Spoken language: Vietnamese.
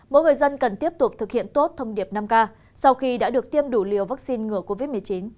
mỗi người dân cần tiếp tục thực hiện tốt thông điệp năm k sau khi đã được tiêm đủ liều vaccine ngừa covid một mươi chín